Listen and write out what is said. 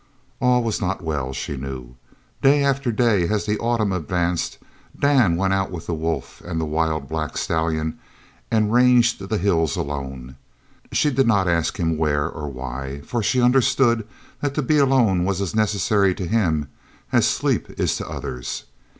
All was not well, she knew. Day after day, as the autumn advanced, Dan went out with the wolf and the wild black stallion and ranged the hills alone. She did not ask him where or why, for she understood that to be alone was as necessary to him as sleep is to others.